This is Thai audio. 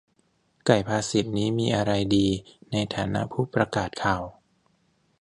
ไก่ภาษิตนี่มีอะไรดีในฐานะผู้ประกาศข่าว ? -_